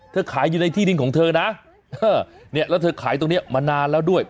ขายอยู่ในที่ดินของเธอนะเนี่ยแล้วเธอขายตรงนี้มานานแล้วด้วย